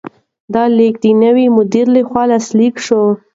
دا لیک د نوي مدیر لخوا لاسلیک شو.